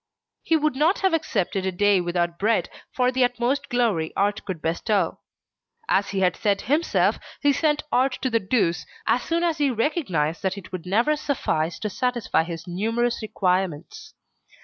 He would not have accepted a day without bread, for the utmost glory art could bestow. As he had said himself, he sent art to the deuce, as soon as he recognised that it would never suffice to satisfy his numerous requirements.